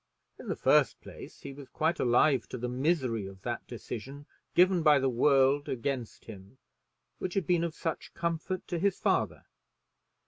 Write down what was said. In the first place, he was quite alive to the misery of that decision given by the world against him, which had been of such comfort to his father.